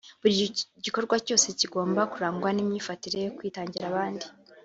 Buri gikorwa cyose kigomba kurangwa n’imyifatire yo kwitangira abandi